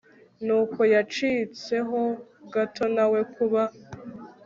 n uko yacitseho gato Nawe kuba